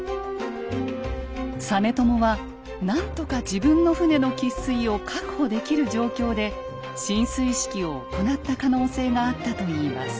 実朝は何とか自分の船の喫水を確保できる状況で進水式を行った可能性があったといいます。